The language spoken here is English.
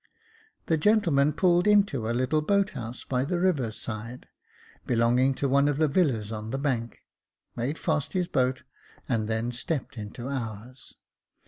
The gentleman pulled into a little boat house by the river's side, belonging to one of the villas on the bank, made fast his boat, and then stepped into ours.